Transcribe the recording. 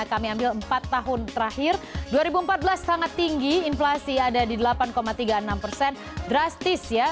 kami ambil empat tahun terakhir dua ribu empat belas sangat tinggi inflasi ada di delapan tiga puluh enam persen drastis ya